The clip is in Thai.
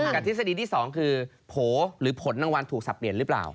ทฤษฎีที่๒คือโผล่หรือผลรางวัลถูกสับเปลี่ยนหรือเปล่า